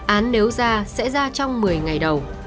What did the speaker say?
án nếu ra sẽ ra trong một mươi ngày đầu